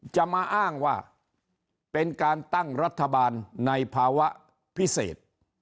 จะมาอ้างว่าเป็นการตั้งรัฐบาลในภาวะพิเศษ